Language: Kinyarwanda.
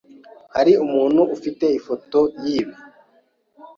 Hari umuntu ufite ifoto yibi?